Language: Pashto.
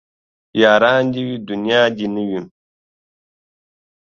ياران دي وي دونيا دي نه وي